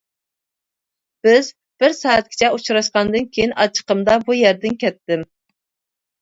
بىز بىر سائەتكىچە ئۇرۇشقاندىن كېيىن ئاچچىقىمدا بۇ يەردىن كەتتىم.